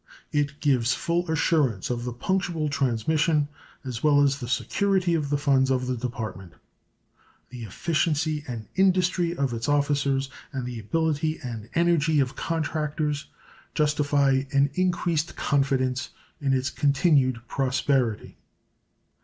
It gives full assurance of the punctual transmission, as well as the security of the funds of the Department. The efficiency and industry of its officers and the ability and energy of contractors justify an increased confidence in its continued prosperity.